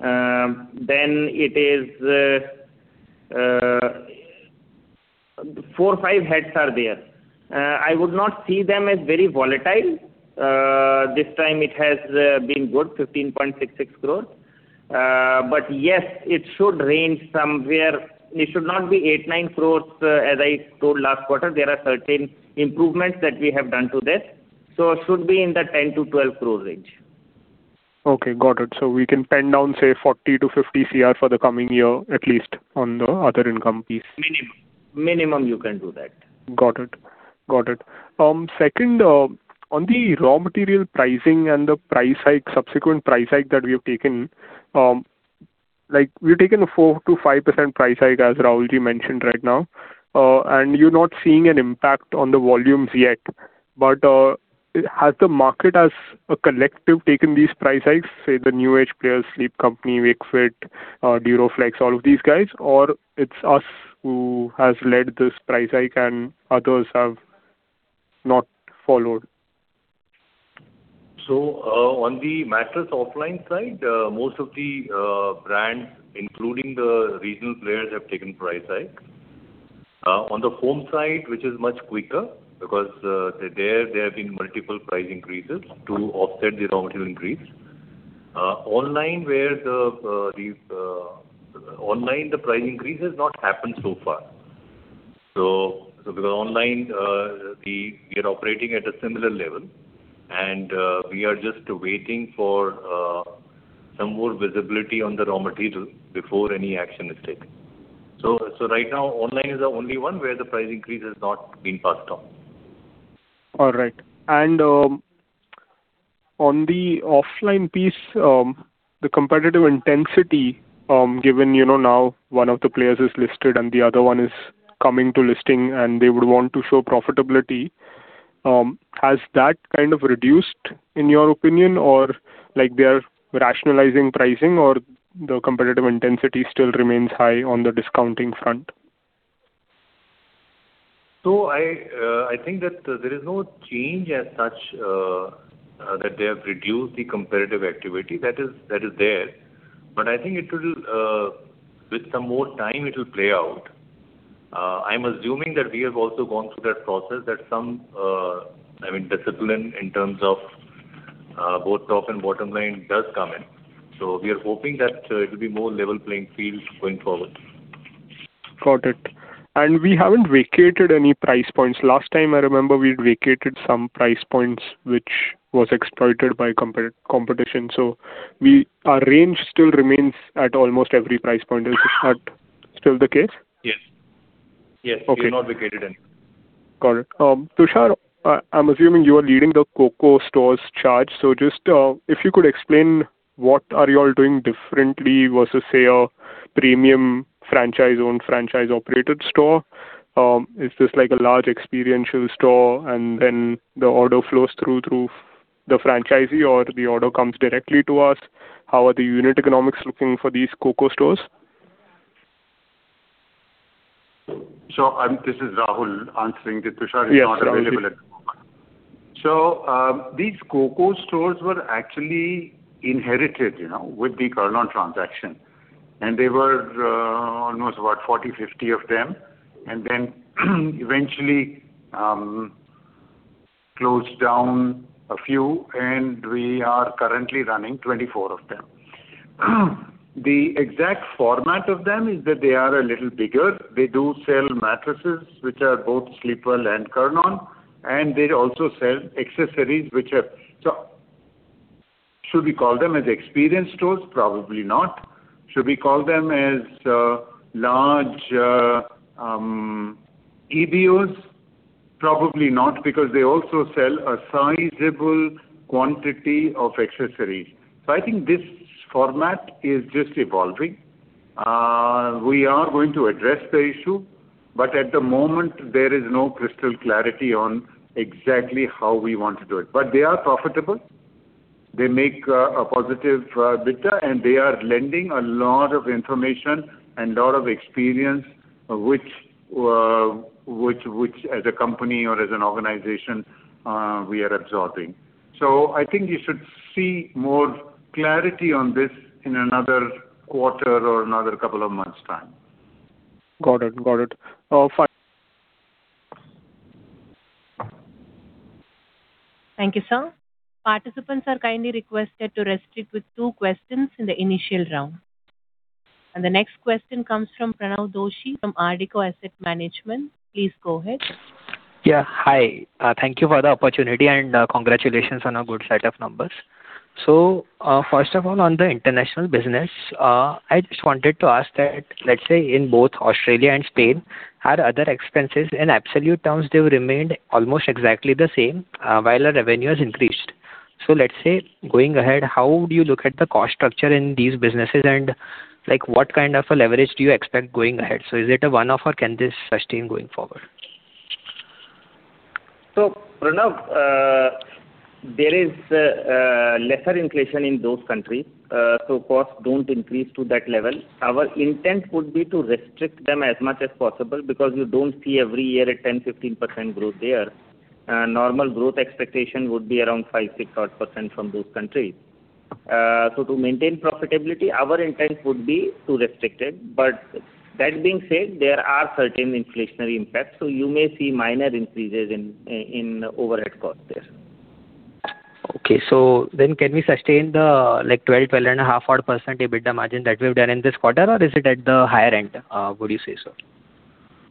Then it is 4, 5 heads are there. I would not see them as very volatile. This time it has been good, 15.66 crores. But yes, it should range somewhere... It should not be 8-9 crores, as I told last quarter. There are certain improvements that we have done to this, so it should be in the 10-12 crore range. Okay, got it. So we can pin down, say, 40 crore-50 crore for the coming year, at least on the other income piece. Minimum. Minimum, you can do that. Got it. Got it. Second, on the raw material pricing and the price hike, subsequent price hike that we have taken, like, we've taken a 4%-5% price hike, as Rahulji mentioned right now, and you're not seeing an impact on the volumes yet. But, has the market as a collective taken these price hikes, say, the new age players, Sleep Company, Wakefit, Duroflex, all of these guys, or it's us who has led this price hike and others have not followed? So, on the mattress offline side, most of the brands, including the regional players, have taken price hike. On the home side, which is much quicker, because there have been multiple price increases to offset the raw material increase. Online, where the online price increase has not happened so far. So, online, we are operating at a similar level, and we are just waiting for some more visibility on the raw material before any action is taken. So, right now, online is the only one where the price increase has not been passed on. All right. And, on the offline piece, the competitive intensity, given, you know, now one of the players is listed and the other one is coming to listing, and they would want to show profitability, has that kind of reduced, in your opinion, or like they are rationalizing pricing, or the competitive intensity still remains high on the discounting front? So I, I think that there is no change as such, that they have reduced the competitive activity that is, that is there. But I think it will, with some more time, it will play out. I'm assuming that we have also gone through that process that some, I mean, discipline in terms of both top and bottom line does come in. So we are hoping that it will be more level playing field going forward. Got it. And we haven't vacated any price points. Last time I remember, we vacated some price points, which was exploited by competition. So our range still remains at almost every price point. Is that still the case? Yes. Yes. Okay. We've not vacated any. Got it. Tushar, I'm assuming you are leading the COCO stores charge. So just, if you could explain what are you all doing differently versus, say, a premium franchise-owned, franchise-operated store? Is this like a large experiential store, and then the order flows through to the franchisee, or the order comes directly to us? How are the unit economics looking for these COCO stores? This is Rahul answering. The Tushar- Yes, Rahul. -is not available at the moment. So, these COCO stores were actually inherited, you know, with the Kurl-on transaction. And they were almost about 40, 50 of them, and then, eventually, closed down a few, and we are currently running 24 of them. The exact format of them is that they are a little bigger. They do sell mattresses, which are both Sleepwell and Kurl-on, and they also sell accessories, which are... So should we call them as experience stores? Probably not. Should we call them as large EBOs? Probably not, because they also sell a sizable quantity of accessories. So I think this format is just evolving. We are going to address the issue, but at the moment there is no crystal clarity on exactly how we want to do it. But they are profitable. They make a positive EBITDA, and they are lending a lot of information and lot of experience, which, as a company or as an organization, we are absorbing. So I think you should see more clarity on this in another quarter or another couple of months' time. Got it. Got it. Fine. Thank you, sir. Participants are kindly requested to restrict to two questions in the initial round. The next question comes from Pranav Doshi, from Antique Stock Broking. Please go ahead. Yeah, hi. Thank you for the opportunity, and, congratulations on a good set of numbers. So, first of all, on the international business, I just wanted to ask that, let's say, in both Australia and Spain, our other expenses, in absolute terms, they've remained almost exactly the same, while our revenue has increased. So let's say, going ahead, how do you look at the cost structure in these businesses, and, like, what kind of a leverage do you expect going ahead? So is it a one-off or can this sustain going forward? So, Pranav, there is lesser inflation in those countries, so costs don't increase to that level. Our intent would be to restrict them as much as possible because you don't see every year a 10, 15% growth there. Normal growth expectation would be around five, six odd % from those countries. So to maintain profitability, our intent would be to restrict it. But that being said, there are certain inflationary impacts, so you may see minor increases in overhead costs there. Okay. So then can we sustain the, like, 12, 12.5 odd % EBITDA margin that we've done in this quarter or is it at the higher end, would you say so?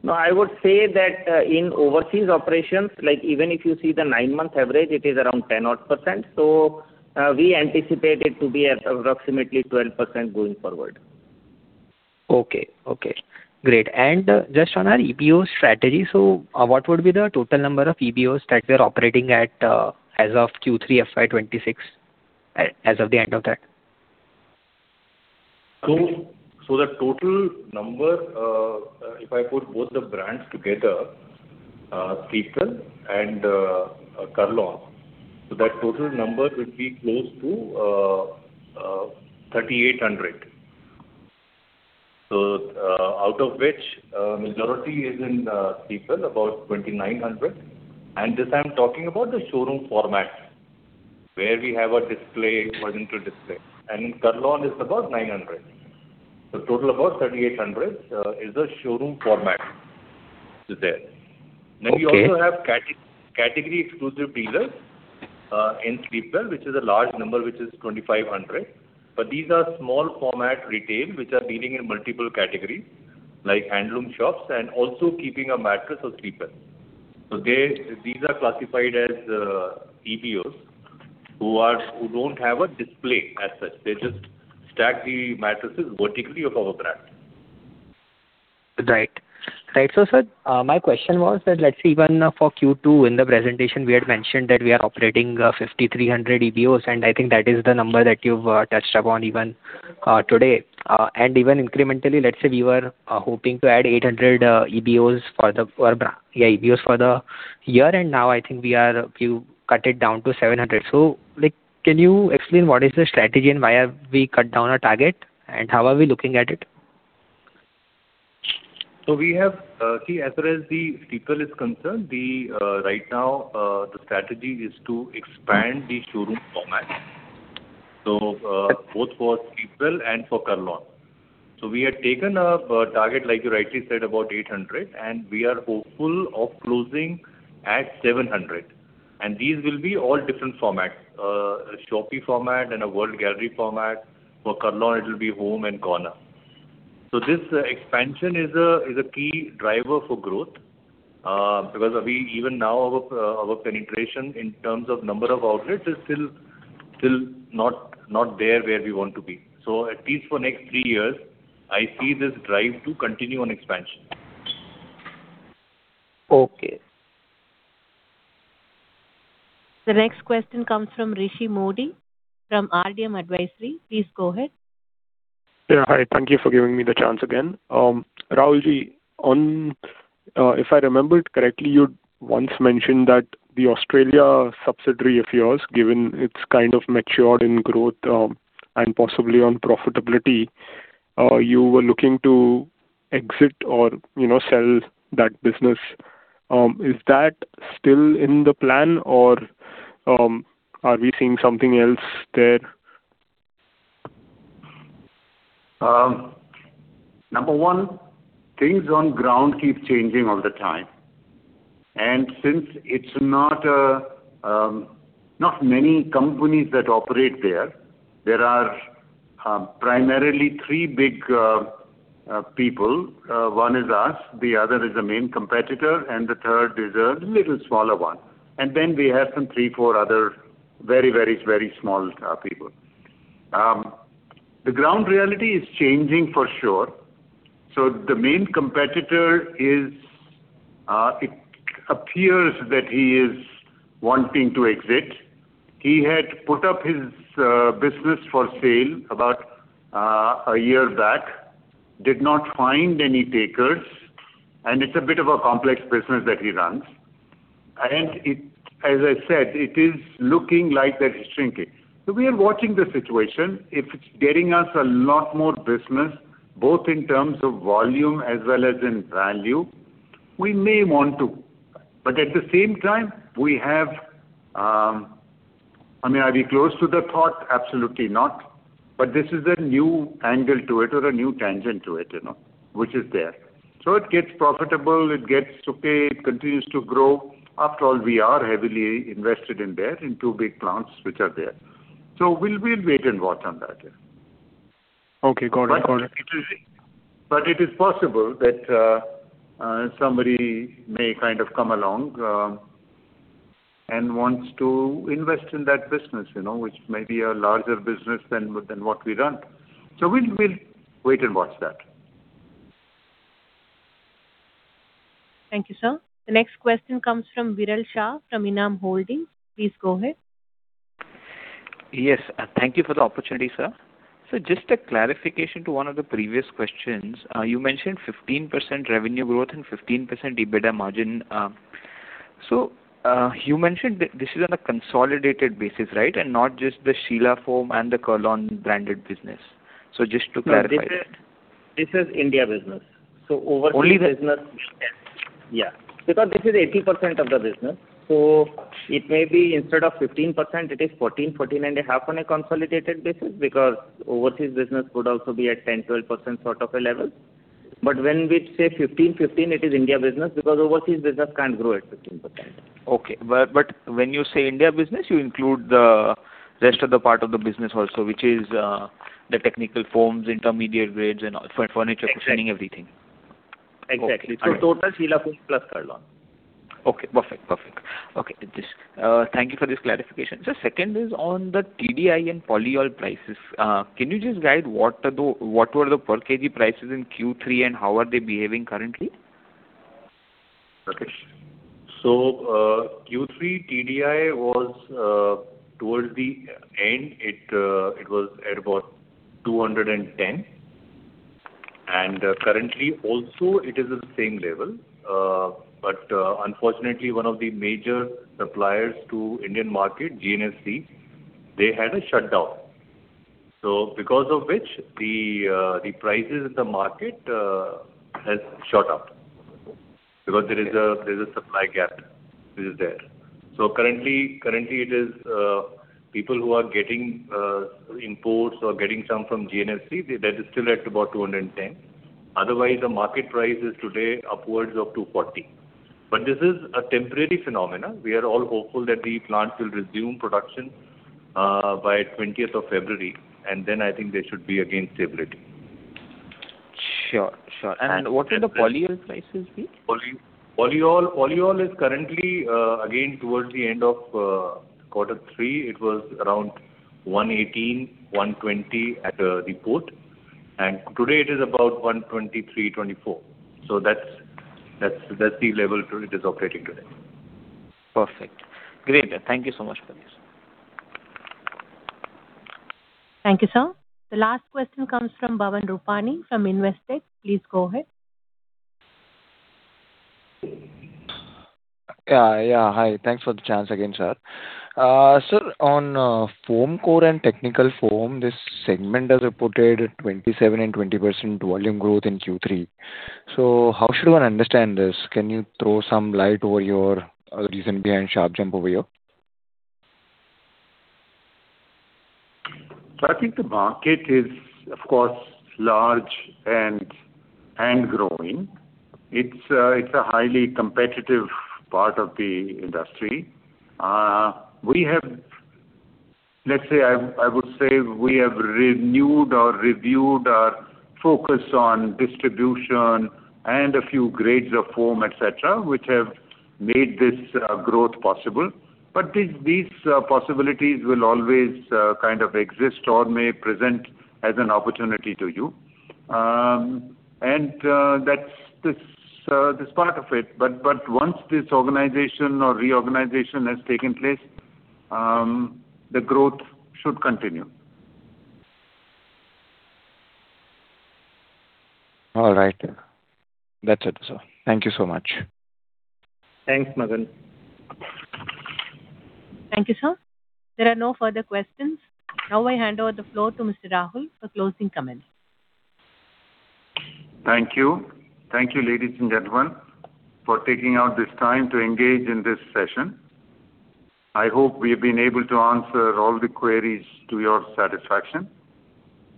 No, I would say that, in overseas operations, like, even if you see the nine-month average, it is around 10 odd %. So, we anticipate it to be at approximately 12% going forward. Okay. Okay, great. And just on our EBO strategy, so, what would be the total number of EBOs that we are operating at, as of Q3 FY 2026, as of the end of that? The total number, if I put both the brands together, Sleepwell and Kurl-on, so that total number would be close to 3,800. Out of which, majority is in Sleepwell, about 2,900. And this, I'm talking about the showroom format, where we have a display, horizontal display, and Kurl-on is about 900. So total about 3,800 is the showroom format there. Okay. Then we also have category exclusive dealers in Sleepwell, which is a large number, which is 2,500. But these are small format retail, which are dealing in multiple categories, like handloom shops and also keeping a mattress of Sleepwell. So they... These are classified as EBOs, who don't have a display as such. They just stack the mattresses vertically of our brand. Right. Right. So, sir, my question was that, let's say even for Q2 in the presentation, we had mentioned that we are operating 5,300 EBOs, and I think that is the number that you've touched upon even today. And even incrementally, let's say we were hoping to add 800 EBOs for the year, and now I think we are, you cut it down to 700. So, like, can you explain what is the strategy and why have we cut down our target, and how are we looking at it? So we have. See, as far as the Sleepwell is concerned, the, right now, the strategy is to expand the showroom format. So, both for Sleepwell and for Kurl-on. So we had taken a target, like you rightly said, about 800, and we are hopeful of closing at 700. And these will be all different formats. A Shoppe format and a World Gallery format. For Kurl-on, it will be Home and Corner. So this expansion is a key driver for growth, because we even now, our, our penetration in terms of number of outlets is still not there where we want to be. So at least for next three years, I see this drive to continue on expansion. Okay. The next question comes from Rishi Modi, from RDM Advisory. Please go ahead. Yeah, hi. Thank you for giving me the chance again. Rahulji, on if I remember it correctly, you once mentioned that the Australia subsidiary of yours, given it's kind of matured in growth, and possibly on profitability, you were looking to exit or, you know, sell that business. Is that still in the plan or are we seeing something else there? Number one, things on ground keep changing all the time, and since it's not many companies that operate there, there are primarily three big people. One is us, the other is the main competitor, and the third is a little smaller one. And then we have some 3, 4 other very, very, very small people. The ground reality is changing for sure. So the main competitor is, it appears that he is wanting to exit. He had put up his business for sale about a year back, did not find any takers, and it's a bit of a complex business that he runs. As I said, it is looking like that he's shrinking. So we are watching the situation. If it's getting us a lot more business, both in terms of volume as well as in value, we may want to. But at the same time, we have, I mean, are we close to the thought? Absolutely not. But this is a new angle to it or a new tangent to it, you know, which is there. So it gets profitable, it gets to pay, it continues to grow. After all, we are heavily invested in there, in two big plants, which are there. So we'll, we'll wait and watch on that. Okay, got it, got it. But it is possible that somebody may kind of come along and wants to invest in that business, you know, which may be a larger business than what, than what we run. So we'll wait and watch that. Thank you, sir. The next question comes from Viral Shah, from Enam Holdings. Please go ahead. Yes, thank you for the opportunity, sir. So just a clarification to one of the previous questions. You mentioned 15% revenue growth and 15% EBITDA margin. You mentioned this is on a consolidated basis, right, and not just the Sheela Foam and the Kurl-on branded business? So just to clarify. This is India business. Only the- Overseas business... Yeah. Because this is 80% of the business, so it may be instead of 15%, it is 14, 14.5 on a consolidated basis, because overseas business could also be at 10-12% sort of a level. But when we say 15, 15, it is India business, because overseas business can't grow at 15%. Okay. But, but when you say India business, you include the rest of the part of the business also, which is the technical foams, intermediate grades, and for furniture cushioning, everything. Exactly. Okay. So total Sheela Foam plus Kurl-on. Okay, perfect. Perfect. Okay, just, thank you for this clarification. Sir, second is on the TDI and polyol prices. Can you just guide what are the, what were the per kg prices in Q3, and how are they behaving currently? So, Q3 TDI was, towards the end, it was at about 210. And currently, also, it is the same level. But, unfortunately, one of the major suppliers to Indian market, GNFC, they had a shutdown. So because of which, the prices in the market has shot up, because there is a supply gap which is there. So currently, it is people who are getting imports or getting some from GNFC, that is still at about 210. Otherwise, the market price is today upwards of 240. But this is a temporary phenomenon. We are all hopeful that the plant will resume production by twentieth of February, and then I think there should be, again, stability. Sure, sure. And- What are the polyol prices be? Polyol, polyol is currently again towards the end of quarter three, it was around 118-120 at the port. And today it is about 123-124. So that's, that's, that's the level to it is operating today. Perfect. Great. Thank you so much for this. Thank you, sir. The last question comes from Bhavin Rupani from Investec. Please go ahead. Yeah, yeah. Hi, thanks for the chance again, sir. So on, foam core and technical foam, this segment has reported 27 and 20% volume growth in Q3. So how should one understand this? Can you throw some light over your reason behind sharp jump over here? So I think the market is, of course, large and growing. It's a highly competitive part of the industry. We have, let's say I would say we have renewed or reviewed our focus on distribution and a few grades of foam, et cetera, which have made this growth possible. But these possibilities will always kind of exist or may present as an opportunity to you. And that's this part of it. But once this organization or reorganization has taken place, the growth should continue. All right. That's it, sir. Thank you so much. Thanks, Bhavin. Thank you, sir. There are no further questions. Now I hand over the floor to Mr. Rahul for closing comments. Thank you. Thank you, ladies and gentlemen, for taking out this time to engage in this session. I hope we've been able to answer all the queries to your satisfaction.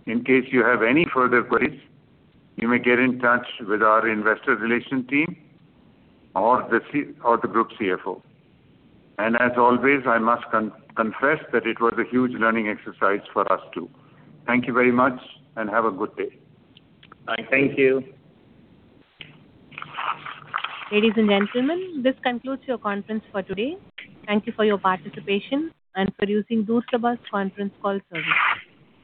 In case you have any further queries, you may get in touch with our investor relation team or the group CFO. And as always, I must confess that it was a huge learning exercise for us, too. Thank you very much, and have a good day. Bye. Thank you. Ladies and gentlemen, this concludes your conference for today. Thank you for your participation and for using Doostabaz Conference Call service.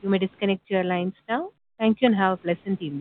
You may disconnect your lines now. Thank you, and have a pleasant evening.